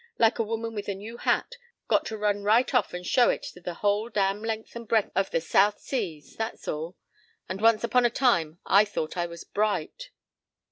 Like a woman with a new hat. Got to run right off and show it to the whole damn length and breadth of the South Seas. That's all.—And once upon a time I thought I was bright.